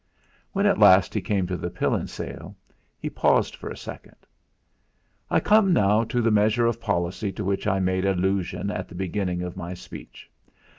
When at last he came to the Pillin sale he paused for a second. "I come now to the measure of policy to which I made allusion at the beginning of my speech.